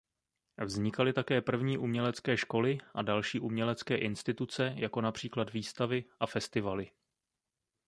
Vznikaly také první umělecké školy a další umělecké instituce jako například výstavy a festivaly.